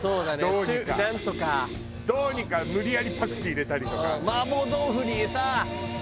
どうにか無理やりパクチー入れたりとか。